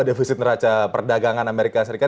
defisit neraca perdagangan amerika serikat